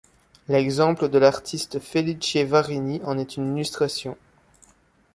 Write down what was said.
L’exemple de l’artiste Felice Varini en est une illustration.